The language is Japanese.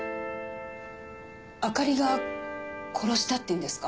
あかりが殺したって言うんですか？